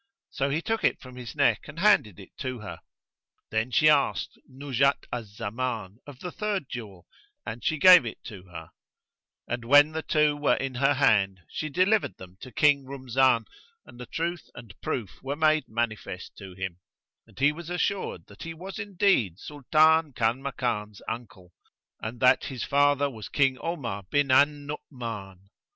so he took it from his neck and handed it to her. Then she asked Nuzhat al Zaman of the third jewel and she gave it to her; and when the two were in her hand she delivered them to King Rumzan, and the truth and proof were made manifest to him; and he was assured that he was indeed Sultan Kanmakan's uncle and that his father was King Omar bin al Nu'uman.